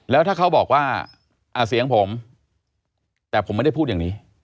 แล้วถ้าเขาบอกว่าเสียงผมแต่ผมไม่ได้พูดอย่างนี้